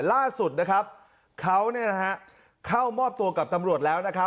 ล่าสุดเข้ามอบตัวกับตำรวจแล้ว